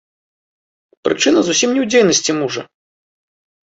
Прычына зусім не ў дзейнасці мужа.